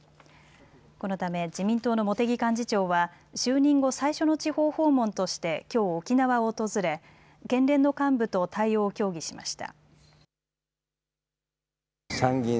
このため自民党の茂木幹事長は就任後最初の地方訪問としてきょう沖縄を訪れ県連の幹部と対応を協議しました。